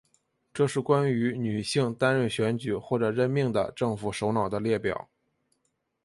这是关于女性担任选举或者任命的政府首脑的列表。